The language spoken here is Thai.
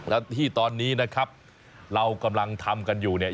แล้วที่ตอนนี้นะครับเรากำลังทำกันอยู่เนี่ย